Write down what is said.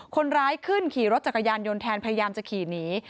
คนร้ายขึ้นขี่รถจักรยานยนต์แทนพยายามจะขี่หนี